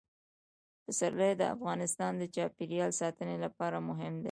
پسرلی د افغانستان د چاپیریال ساتنې لپاره مهم دي.